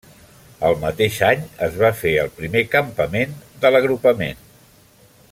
El mateix any es va fer el primer campament de l'agrupament.